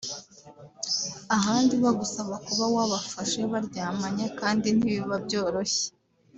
ahandi bagusaba kuba wabafashe baryamanye kandi ntibiba byoroshye